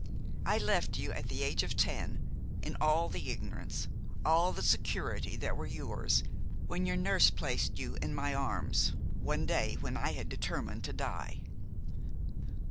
I left you, at the age of ten, in all the ignorance, all the security that were yours when your nurse placed you in my arms, one day when I had determined to die.